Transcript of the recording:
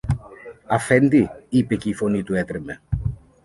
Αφέντη, είπε και η φωνή του έτρεμε